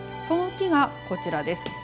その木がこちらです。